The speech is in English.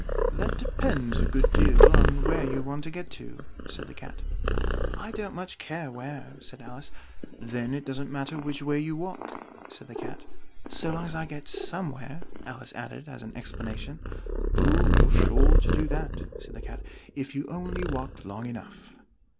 "That depends a good deal on where you want to get to," said the Cat. "I don't much care where " said Alice. "Then it doesn't matter which way you walk," said the Cat. " so long as I get somewhere," Alice added as an explanation. "Oh, you're sure to do that," said the Cat, "if you only walk long enough."